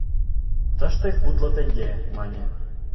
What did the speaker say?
«Тыште кудло теҥге, — мане.